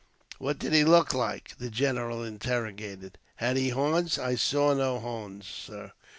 " What did he look like ?" the general interrogated. " Had he horns?" '• I saw no horns, sir."